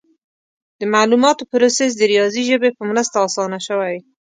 د معلوماتو پروسس د ریاضي ژبې په مرسته اسانه شوی.